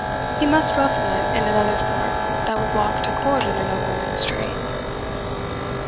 He must ruffle it in another sort that would walk to court in a nobleman's train."